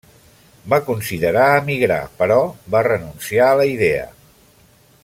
Va considerar emigrar però va renunciar a la idea.